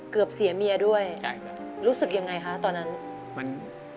เกือบเสียเมียด้วยรู้สึกยังไงคะตอนนั้นมัน